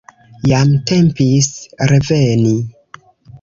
Jam tempis reveni.